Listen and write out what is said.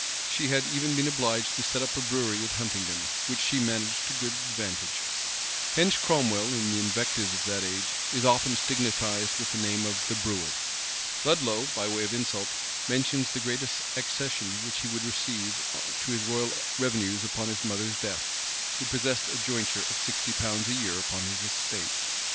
She had even been obliged to set up a brewery at Huntingdon, which she managed to good advantage. Hence Cromwell, in the invectives of that age, is often stigmatized with the name of the brewer. Ludlow, by way of insult, mentions the great accession which he would receive to his royal revenues upon his mother's death, who possessed a jointure of sixty pounds a year upon his estate.